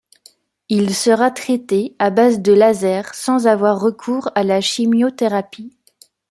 Il sera traité à base de laser sans avoir recours à la chimiothérapie.